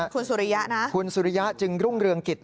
คุณสุริยะนะคุณสุริยะจึงรุ่งเรืองกิจ